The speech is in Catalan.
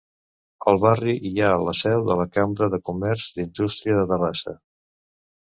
Al barri hi ha la seu de la Cambra de Comerç i Indústria de Terrassa.